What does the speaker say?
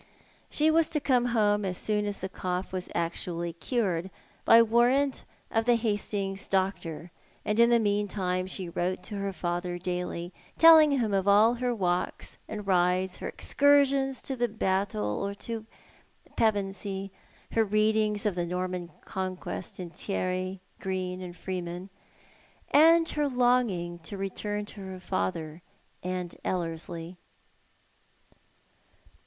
She was to come home as soon as the cough was actually cured, by warrant of the Hastings doctor, and in the meantime she wrote to her father daily, telling him of all her walks and rides, her excursions to Battle or to Pevensey, her readings of the Norman Conquest in Thierry, Green, and Freeman, and her longing to return to her father and Ellerslie.